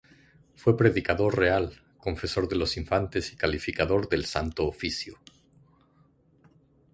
Fue predicador real, confesor de los infantes y calificador del Santo Oficio.